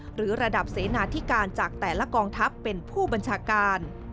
หรือระดับเสนาธิการจากแต่ละกองทัพเป็นผู้บัญชาการ